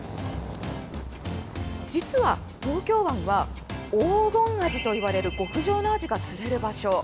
実は東京湾は黄金アジといわれる極上のアジが釣れる場所。